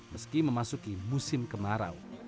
meski memasuki musim kemarau